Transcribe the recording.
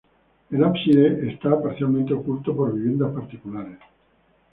El ábside está parcialmente oculto por viviendas particulares.